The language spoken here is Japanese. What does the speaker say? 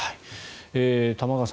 玉川さん